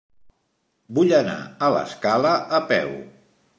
Vull anar a l'Escala a peu.